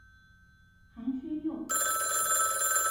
寒暄用